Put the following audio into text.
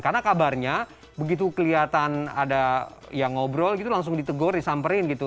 karena kabarnya begitu kelihatan ada yang ngobrol gitu langsung ditegur disamperin gitu